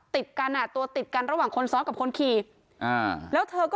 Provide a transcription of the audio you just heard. ติดกันอ่ะตัวติดกันระหว่างคนซ้อนกับคนขี่อ่าแล้วเธอก็